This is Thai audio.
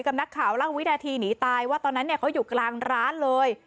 นักข่าวเล่าวินาทีหนีตายว่าตอนนั้นเนี่ยเขาอยู่กลางร้านเลย